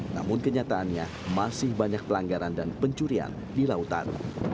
namun kenyataannya masih banyak pelanggaran dan pencurian di lautan